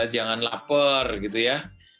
jangan lapar gitu ya